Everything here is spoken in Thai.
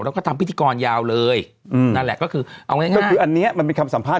แล้วก็ทำพิธีกรยาวเลยนั่นแหละก็คืออันนี้มันเป็นคำสัมภาษณ์